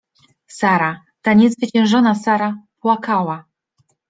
Sara — ta niezwyciężona Sara — płakała!